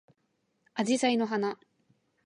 あじさいの花